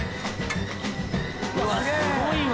うわすごいわ。